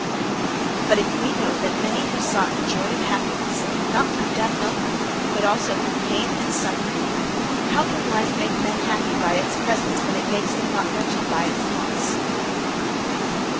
But if we know that many have sought the joy of happiness not through death only, but also through pain and suffering, how can life make men happy by its presence when it makes them not wretched by its loss?'